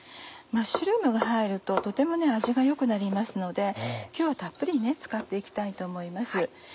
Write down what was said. マッシュルームが入るととても味が良くなりますので今日はたっぷり使って行きたいと思います。